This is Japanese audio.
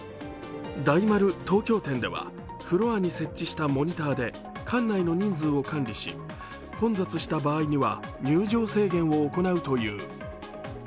大丸東京店ではフロアに設置したモニターで館内の人数を管理し混雑した場合には入場制限を行うという。